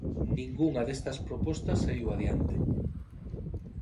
Ningunha destas propostas saíu adiante.